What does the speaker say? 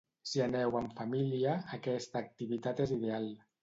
Si aneu en família, aquesta activitat és ideal.